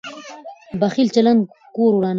بخیل چلند کور ورانوي.